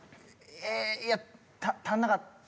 ええいや足らなかった。